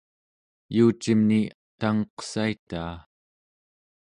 yuucimini tangeqsaitaa